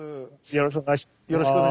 よろしくお願いします。